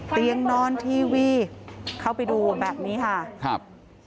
นอนทีวีเข้าไปดูแบบนี้ค่ะครับ